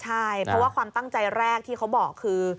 ใช่เพราะว่าความตั้งใจแรกที่เขาบอกคือ